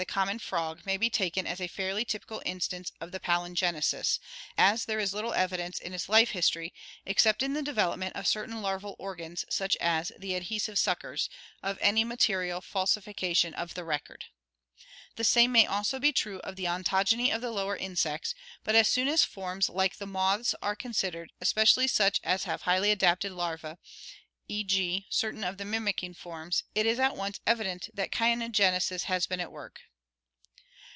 common frog may be taken as a fairly typical instance of palin genesis, as there is little evidence in its life history, except in the development of certain larval organs, such as the adhesive suckers, of any material falsification of the record (see Fig. 31). The same may be also true of the ontogeny of the lower insects, but as soon as forms like the moths are considered, especially such as have highly adapted larvae, e. g., certain of the mimicking forms, it is at once evident that caenogenesis has been at work.